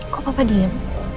kok papa diam